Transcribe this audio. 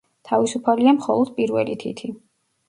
თავისუფალია მხოლოდ პირველი თითი.